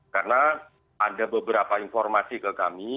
karena ada beberapa informasi ke kami